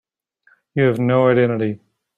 You have no identity.